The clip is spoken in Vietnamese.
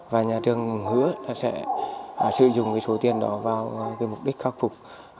và nhà trường hứa sẽ sử dụng số tiền đó vào mục đích khắc phục